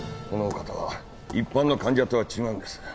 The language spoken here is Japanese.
このお方は一般の患者とは違うんです。